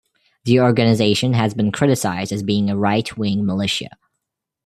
The organization has been criticized as being a right-wing militia.